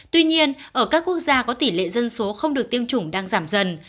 tuy nhiên ở các quốc gia có tỷ lệ dân số không được tiêm chủng đang giảm dần